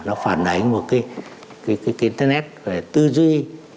nó phản ánh một cái internet về tư duy